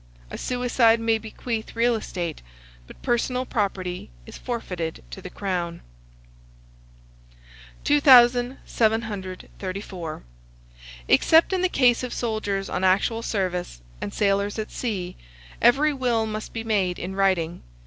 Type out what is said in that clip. A suicide may bequeath real estate, but personal property is forfeited to the crown. 2734. Except in the case of soldiers on actual service, and sailors at sea, every will must be made in writing.